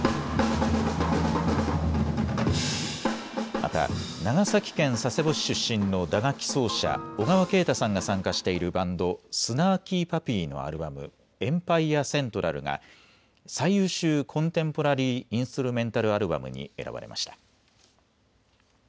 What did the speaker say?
また、長崎県佐世保市出身の打楽器奏者、小川慶太さんが参加しているバンド、スナーキー・パピーのアルバム、エンパイア・セントラルが最優秀コンテンポラリー・インストゥルメンタル・アルバムに選ばれました。